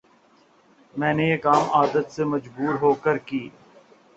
میں نے یہ کام عادت سے مجبور ہوکرکی